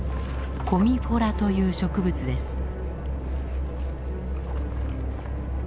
コミフォラという植物です。